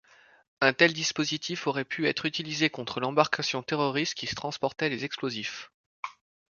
Un tel dispositif aurait pu être utilisé contre l’embarcation terroriste qui transportait les explosifs.